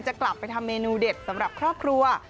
จะกลับไปทำเมนูเด็ดสำหรับครอบครัว